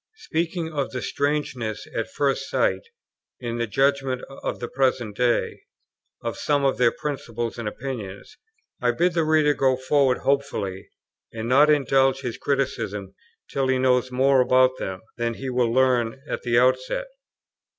Speaking of the strangeness at first sight, in the judgment of the present day, of some of their principles and opinions, I bid the reader go forward hopefully, and not indulge his criticism till he knows more about them, than he will learn at the outset.